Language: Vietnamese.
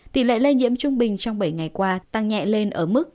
tỷ lệ lây nhiễm trung bình trong bảy ngày qua tăng nhẹ lên ở mức một bảy trăm sáu mươi năm